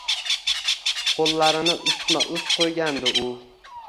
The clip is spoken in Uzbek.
Qoʻllarini ustma-ust qoʻygandi u.